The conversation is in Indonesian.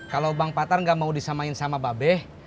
kalo bang patar ga mau disamain sama babeh